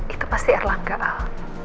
itu pasti erlangga al